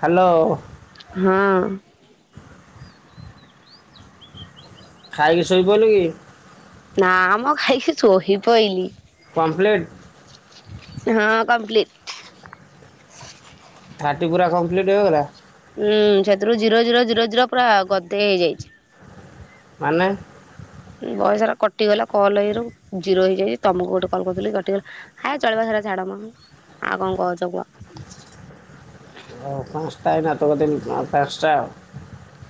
Hello. ହଁ। ଖାଇକି ଶୋଇପଇଲୁ କି? ନା ମ ଖାଇକି ଶୋଇପଇଲି। କମ୍ପ୍ଲିଟ? ହଁ କମ୍ପ୍ଲିଟ୍। ଥାଟି ପୁରା କମ୍ପ୍ଲିଟ୍ ହେଇଗଲା।? ଉୁଁ ସେଥିରୁ ଜିରୋ ଜିରୋ ଜିରୋ ଜିରା ପୁରା ଗଦେଇ ହେଇଯାଇଛି। ମାନେ? ଭଏସ ରା କଟିଗଲା କଲ୍ ଇଏରୁ ଜିରୋ ହେଇଯାଇଛି ତମକୁ ଗୋଟେ କଲ୍ କରିଥିଲି କଟିଗଲା। ଆ ଚଳିବ ସେଟା ଛାଡମ ଆଉ କଣ କହୁଚ କୁହ? ଓ, ପାଞ୍ଚଟା ଏନା ଥବ ତିନ ପାଞ୍ଚଟା ଆଉ।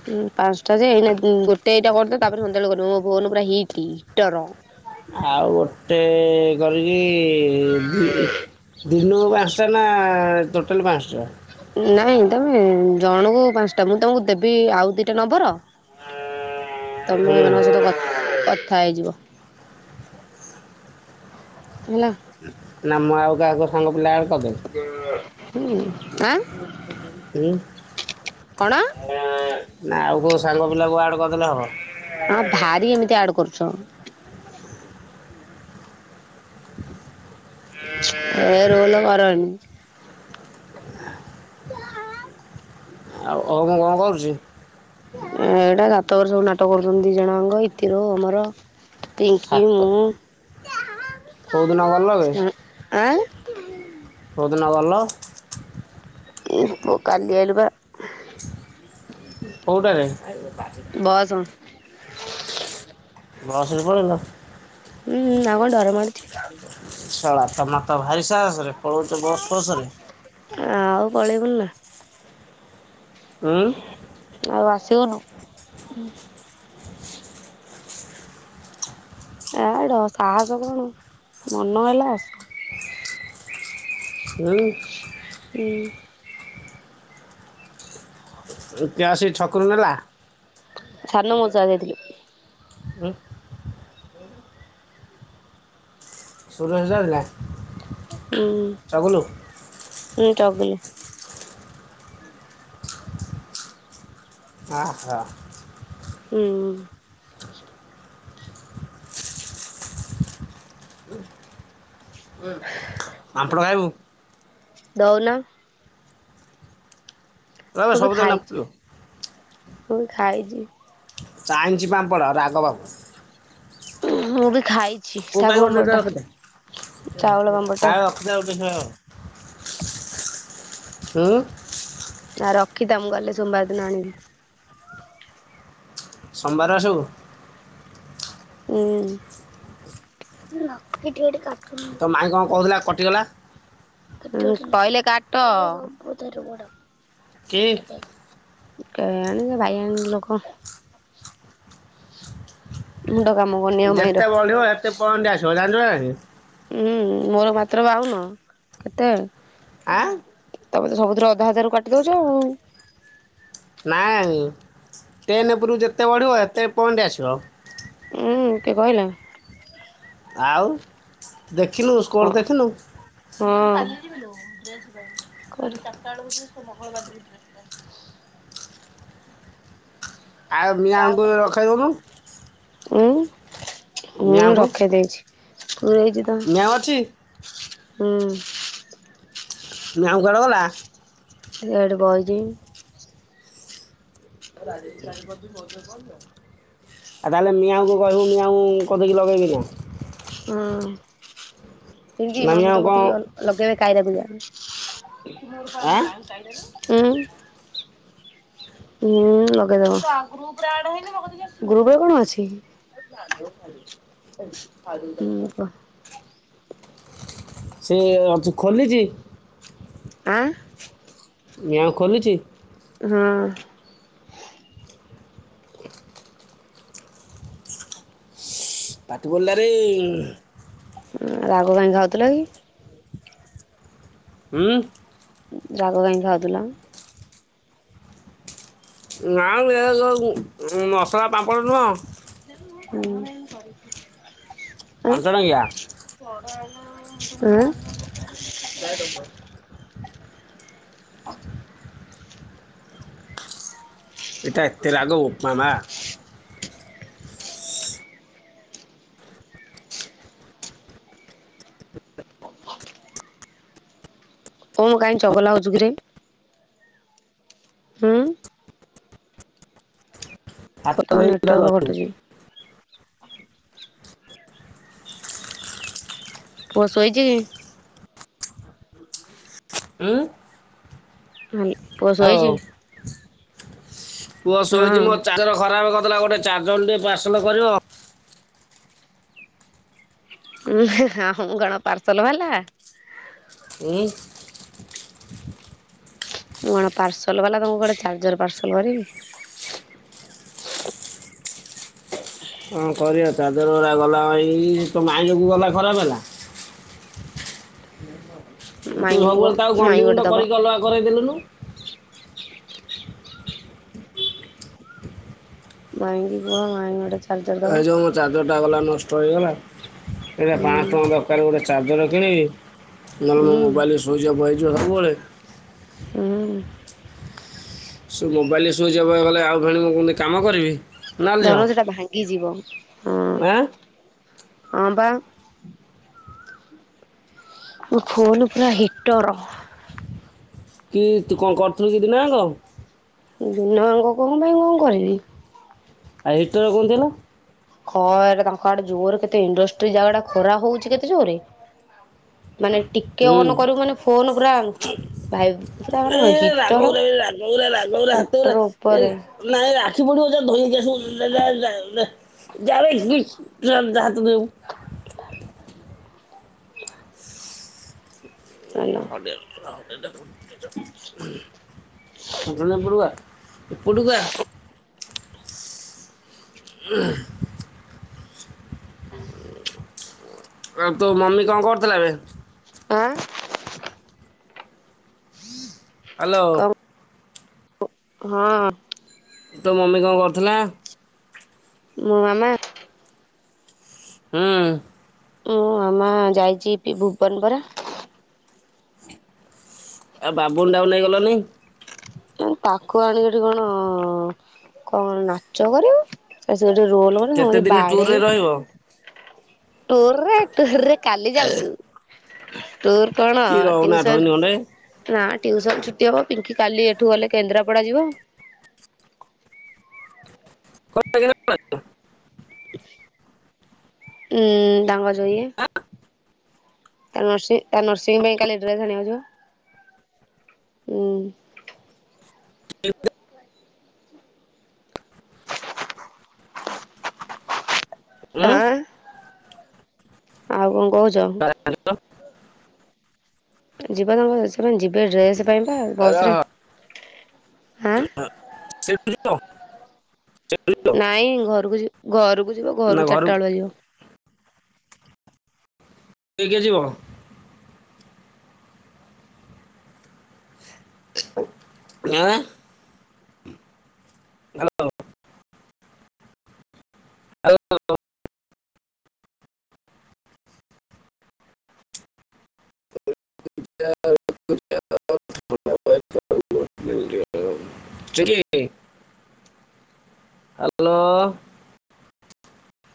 ହ ପାଞ୍ଚଟା ଯେ ଏଇନା ଦି ଗୋଟେ ଦିଟା କରିଦିଅ ତାପରେ ସନ୍ଧ୍ୟାବେଳେ କରିବ ମୋ ଫୋନ ପୁରା ହିଟ୍ ହିଟର। ପ୍ରତେକ୍ କରିକି ଦି ଦିନକୁ ପାଞ୍ଚଟା ନା ଟୋଟାଲ ପାଞ୍ଚଟା? ନାଇଁ ତମେ ଜଣକୁ ପାଞ୍ଚଟା ମୁଁ ତମକୁ ଦେବି ଆଉ ଦିଟା ନମ୍ବର ତମେ ହୁଁ ଏମାନଙ୍କ ସହିତ କଥା ହେଇଯିବ। ହେଲା। ନା ମୁଁ ଆଉ କାହାକୁ ସାଙ୍ଗ ପିଲା ଆଡ଼୍ କରିଦେବି। ହୁଁ ଆ ହୁଁ? କଣ? ନା ଆଉ କେଉ ସାଙ୍ଗ ପିଲା କୁ ଆଡ଼୍ କରିଦେଲେ ହବ। ହଁ ଭାରି ଏମିତି ଆଡ୍ କରୁଛ। ଏ ରୋଲ କରନି? [unintelligible] ଆଉ ଅଁଗୁ କଣ କରୁଚି? ଏଇଟା ସାତ ବର୍ଷ ସବୁ ନାଟକ କରୁଛନ୍ତି ଦି ଜଣ ଯାକ ଇତିର ଓମ୍ ର ପିଙ୍କି ମୁଁ କୋଉଦିନ ଗଲ ବେ କୋଉଦିନ ଗଲ? ଏ ପୁଅ କାଲି ଆଇଲୁ ପା। କୋଉଟା ରେ? ବସ। ବସରେ ପଳେଇଲ। ହୁଁ ଆଉ କଣ ଡର ମାଡୁଚି। ଶଳା ତମ ତ ଭାରି ସାହାସ ରେ ପଳଉଛ ବସ୍ ଫସ୍ ରେ। ଆଉ ପଳେଇବୁନି ନା। ହଁ। ଆଉ ଆସିଗଲୁ। ଅ ଡ ସାହାସ କଣ ମନ ହେଲା ହୁଁ। ହୁଁ। ଦୁତିଆ ଆସିକି ଛକରୁ ନେଲା। [unintelligible] ହଁ। ଷୋହ୍ଳ ହଜାର ନା। ହୁଁ ହୁଁ ଚଗିଲୁ। ଆ ହୋ ହୁଁ। ପାମ୍ପଡ ଖାଇବୁ। ଦଉନ। ରହିବ ମୁଁ ବି ସବୁଦିନ ନ ଖାଇଛି ପିଇବୁ ମୁଁ ବି ଖାଇଛି। ଚାଇଞ୍ଚି ପାମ୍ପଡ ରାଗ ପାମ୍ପଡ। ମୁଁ ବି ଖାଇଛି କୋଉ ପାଇଁ ଗୋଟେ ଦେ ଶାଗୁଆବଟା ରଖିଦେ ଚାଉଳ ପାମ୍ପଡ ଟା। [unintelligible] [unintelligible] ହୁଁ। ନା ରଖିଥା ମୁଁ ଗଲେ ସୋମବାର ଦିନ ଆଣିବି। ସୋମବାରେ ଆସିବୁ। ହୁଁ। ହେଇଟି ଗୋଟେ କାଟୁନ୍ ତ ମାଇଁ କଣ କହୁଥିଲା କଟିଗଲା। କହିଲେ କାଟ। କି କେଆଣି ସେ ବାୟାଣୀ ଲୋକେ। ମୁଣ୍ଡ କାମ କ ଯେତେ ବଢିବ ସେତେ ପଏଣ୍ଟ ଆସିବ ଜାଣିଚୁ ନା ନାହିଁ? ଉଁ ମୋର ମାତ୍ର ବାଉନ କେତେ ଆଁ ତମେ ତ ସବୁ ଥିର ଅଧା ଅଧାରୁ କାଟି ଦଉଚ ଆଉ। ନାଇଁ ଟେନ୍ ଏ ଉପରୁ ଯେତେ ବଢ଼ିବ [unintelligible] ପଏଣ୍ଟ୍ ଆସିବ। ଉଁ କିଏ କହିଲା? ଆଉ ଦେଖିନୁ ସ୍କୋର୍ ହଁ। ଦେଖିନୁ? ହଁ [unintelligible] ଆଉ ମିଆଁଉଙ୍କୁ ରଖେଇ ଦଉନୁ। ଉଁ [unintelligible] ମିଆଁଙ୍କୁ ରଖେଇ ଦେଇଛି ପୁରେଇଚି ତ। ମିଆଁ ଅଛି ହୁଁ। ମିଆଁଉ କୁଆଡେ଼ ଗଲା? ସିଆଡେ ବଇଚି। [unintelligible] ଆଉ ତାହେଲେ ମିଆଁଉକୁ କହିବୁ ମିଆଁଉ କୋଧିକି ଲଗେଇକିନା। ଉଁ ଏଣିକି ନା ମାମୁଁ ତ ମିଆଁକୁ କ'ଣ ଆ [unintelligible] [unintelligible] ଉଁ। ହୁଁ ଲଗେଇଦବ। ଗ୍ରୁପରେ କଣ ଅଛି? ହୁଁ [unintelligible] କୁହ ସେ ଅଜି ଖୋଲିଚି। ଆଁ। ମିଆଁଉ ଖୋଲୁଚି? ହଁ। ପାଟି ପୋଲାରେ [unintelligible] ଉଁ ରାଗ କାଇଁ ଖାଉଥିଲ କି? ହୁଁ। ରାଗ କାଇଁ ଖାଉଥିଲ? ନା ମ ଏରାକ ଉଁ ମସଲା ପାମ୍ପଡ଼ ନୁହଁ ହୁଁ। ପାଞ୍ଚ ଟଙ୍କିଆ। [unintelligible] [unintelligible] [inaudible] ଏଟା ଏତେ ରାଗ ବୋପା ମା। ଓମ୍ କାଇଁ ଚଗଲା ହୋଉଚୁ କିରେ ହୁଁ। ତମ ନେଟୱାର୍କ [unintelligible] କଟୁଛି ପୁଅ ଶୋଇଚି କି? ଉଁ ପୁଅ ହାଲୋ ଶୋଇଛି। ପୁଅ ଶୋଇଚି ହଁ ମୋ [unintelligible] ଖରାପ କରିଦେଲା ଗୋଟେ। ଚାର୍ଜଲ୍ ଟିକେ ପାର୍ସଲ କରିବ? [unintelligible] ମୁଁ କଣ ପାର୍ସଲ ବାଲା? ଉଁ ମୁଁ କଣ ପାର୍ସଲ ବାଲା ତମକୁ ଗୋଟେ ଚାର୍ଜର ପାର୍ସଲ କରିବି। କଁ କରିଆ ଚାର୍ଜର ଉରା ଗଲା [unintelligible] ତୋ ମାଇଁ ଯୋଗୁ ଗଲା ଖରାପ ହେଲା। [unintelligible] ତୁ ମାଇଁକି କୁହ ସବୁବେଳେ ତାକୁ ମାଇଁ ଗଣ୍ଡି ଗୋଟେ ମୁଁଣ୍ଡ ଦବ। କରିକି ଅଲଗା କରେଇ ଦେଲୁନୁ। ମାଇଁ କୁ କୁହ ମାଇଁ ଗୋଟେ ଚାର୍ଜର ତା ଦବ। ଯୋଉଁ ମୋ ଚାର୍ଜରଟା ଗଲା ନଷ୍ଟ ହେଇଗଲା ଏଇନା ପାଆଁସ ହୁଁ ଟଙ୍କା ଦରକାର। ତାର ଗୋଟେ ଚାର୍ଜର କିଣିବି ନହେଲେ ମୋ ହୁଁ ମୋବାଇଲ୍ ସୁଇଜି ଅପ୍ ହେଇଯିବ ସବୁବେଳେ। ଉଁ। ସିଏ ମୋବାଇଲ ସୁଇଜି ଅପ୍ ହେଇ ଗଲେ ଆଉ ଫେଣି ମୁଁ କେମିତି କାମ କରିବି। ନା ଝିଅ ଧନ ସେଟା ଭାଙ୍ଗିଯିବ ହୁଁ ଆଁ ହଁ ପା। ମୋ ଫୋନ୍ ପୁରା ହିଟର। କି ତୁ କ'ଣ କରୁଥୁଲୁ କି ଦିିନ ଆଙ୍କ? ଦିନ ଆଙ୍ଗ କ'ଣ ପାଇଁ କ'ଣ କରିବି। ଆଏ ହିଟର କ'ଣ ଥିଲା। ଖରା ତାଙ୍କ ଆଡେ ଜୋର କେତେ ଇଣ୍ଡଷ୍ଟ୍ରି ଜାଗା ଟା ଖରା ହୋଉଚି କେତେ ଜୋରେ। ମାନେ ଟିକେ ହୁଁ ଅନ୍ କରିବୁ ମାନେ ଫୋନ ପୁରା ଭାଇ ପୁରା ଏ ମାନେ ହିଟର ରାଗଉରା ରେ ରାଗଉରା, ରାଗଉରା ହାତ ଉରା ହିଟର ଏ ନେ। ଉପରେ ନାଇଁ ରେ ଆଖି ପୋଡିବ ଯା ଧୋଇହେଇକି ଆସିବୁ ଯା, ଯା, ଯା। ଯାବେ ଗି ଯା ହାତ ଧୋଇ ହବୁ। ହେଲା। [unintelligible] ଏପଟକୁ ଆ। [unintelligible] ଆଉ ତୋ ମମି କ'ଣ କରୁଥିଲା ବେ? ଆଁ [inaudible] ହ୍ୟାଲୋ। କଣ ହଁ। ତୋ ମମି କ'ଣ କରୁଥିଲା? ମୋ ମାମା। ହୁଁ। ମୁଁ ମାମା ଯାଇଛି ଭୁବନ ପରା। ଆଉ ବାବୁନଟା କୁ ନେଇ ଗଲନି। ତାକୁ ଆଣିକି ଏଠି କ'ଣ, କ'ଣ ନାଚ କରିବି। ଆସି ଏଠି ରୋଲ କରୁଛନ୍ତି ମୁଁ କେତେ କହିଲି ଦିନ ଟୁର ରେ ବାଡେଇବି। ରହିବ? ଟୁରେ, ଟୁରେ କାଲି ଯାଉଛୁ। ଟୁର୍ କ'ଣ କି ରହୁନ ଟିଉ ଆଠ ସନ୍। ଦିନ ଖଣ୍ଡେ ନା ଟିଉସନ ଛୁଟି ହବ ପିଙ୍କି କାଲି ଏଠୁ ଗଲେ କେନ୍ଦ୍ରାପଡା ଯିବ। [unintelligible] ଉଁ ତାଙ୍କ ଯୋଉଁ ଇଏ। ତା ନର୍ସିଂ ତା ନର୍ସିଂ ପାଇଁ କାଲି ଡ୍ରେସ୍ ଆଣିବାକୁ ଯିବ। ହୁଁ। [unintelligible] ଉଁ। ଆଁ ଆଉ କ'ଣ କହୁଛ। ହ୍ୟାଲୋ। ଯିବା ତମ ସେମାନେ ଯିବେ ଡ୍ରେସ୍ ପାଇଁ ବା ବସ୍ ରେ ଆଁ। [unintelligible] ନାଇଁ ଘରୁକୁ ଯିବ ଘରୁକୁ ଯିବ ନା ଘରୁ ଘରକୁ ଚାରିଟା ବେଳୁଆ ଯିବ। କିଏ କିଏ ଆସିବ? ଆଁ [unintelligible] ହାଲୋ। ହେଲୋ [unintelligible] [unintelligible] [unintelligible] ଅଛ କୁ ହାଲୋ [unintelligible]